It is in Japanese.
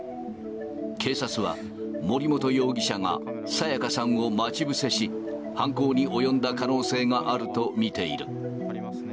警察は、森本容疑者が彩加さんを待ち伏せし、犯行に及んだ可能性があると見ている。